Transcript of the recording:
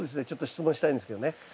ちょっと質問したいんですけどね。